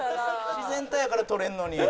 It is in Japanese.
自然体やから撮れるのに。